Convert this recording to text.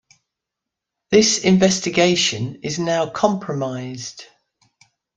This investigation is now compromised.